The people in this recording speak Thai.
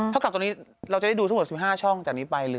ถ้ากับตรงนี้เราจะได้ดูถึง๑๕ช่องจากนี้ไปหรือ